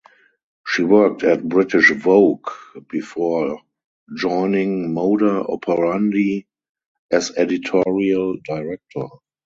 She worked at "British Vogue" before joining Moda Operandi as editorial director.